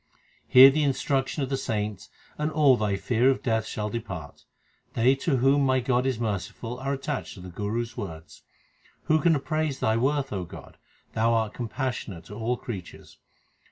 Hear the instruction of the saints and all thy fear of death shall depart. They to whom my God is merciful are attached to the Guru s words. Who can appraise Thy worth, O God ? Thou art com passionate to all creatures.